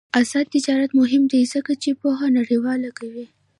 آزاد تجارت مهم دی ځکه چې پوهه نړیواله کوي.